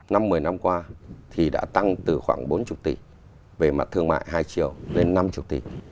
năm một mươi năm qua thì đã tăng từ khoảng bốn mươi tỷ về mặt thương mại hai triệu lên năm mươi tỷ